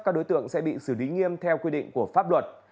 các đối tượng sẽ bị xử lý nghiêm theo quy định của pháp luật